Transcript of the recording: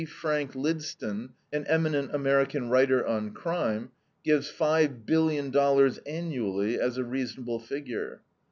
Frank Lydston, an eminent American writer on crime, gives $5,000,000,000 annually as a reasonable figure.